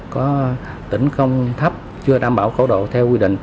có tỉnh không thấp chưa đảm bảo khẩu độ theo quy định